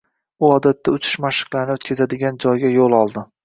U odatda uchish mashqlarini o‘tkazadigan joyga yo‘l oldi.